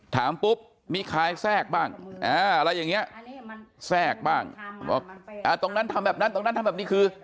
ถามปุ๊บมีคลายแทรกบ้างอะไรอย่างนี้แทรกบ้างบอกตรงนั้นทำแบบนั้นตรงนั้นทำแบบนี้คือ